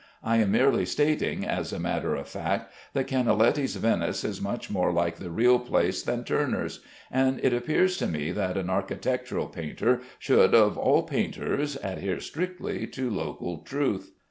I am merely stating, as a matter of fact, that Canaletti's Venice is much more like the real place than Turner's; and it appears to me that an architectural painter should (of all painters) adhere strictly to local truth.